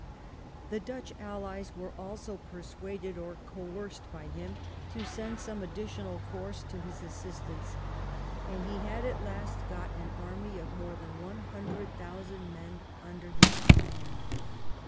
The Dutch Allies were also persuaded or coerced by him to send some additional force to his assistance, and he had at last got an army of more than 100,000 men under his command.